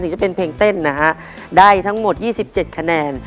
ถึงจะเป็นเพลงเต้นนะฮะได้ทั้งหมดยี่สิบเจ็ดคะแนน